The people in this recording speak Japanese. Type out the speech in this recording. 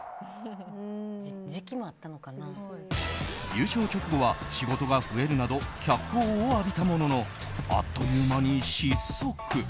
優勝直後は仕事が増えるなど脚光を浴びたもののあっという間に失速。